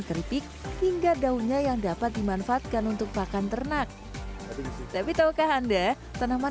keripik hingga daunnya yang dapat dimanfaatkan untuk pakan ternak tapi tahukah anda tanaman